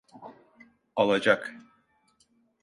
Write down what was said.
Alacak.